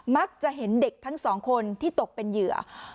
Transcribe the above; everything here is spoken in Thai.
มักจะเห็นเด็กทั้งสองคนที่ตกเป็นเหยื่อ